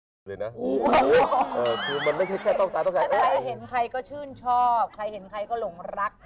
คุณหมดเล็กต้องการด้วยแค่เออใครเห็นใครก็ชื่นชอบใครเห็นใครก็หลงรัก